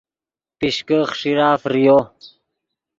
پیشکے خیݰیرہ فریو